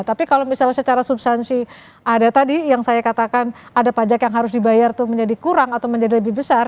tapi kalau misalnya secara substansi ada tadi yang saya katakan ada pajak yang harus dibayar itu menjadi kurang atau menjadi lebih besar